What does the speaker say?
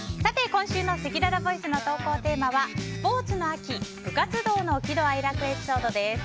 今週のせきららボイスの投稿テーマはスポーツの秋・部活動の喜怒哀楽エピソードです。